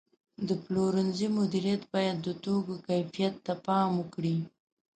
د پلورنځي مدیریت باید د توکو کیفیت ته پام وکړي.